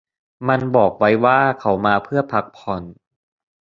มันบอกไว้ว่าเขามาเพื่อพักผ่อน